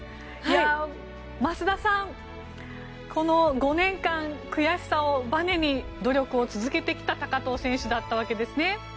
増田さん、この５年間悔しさをばねに努力を続けてきた高藤選手だったわけですね。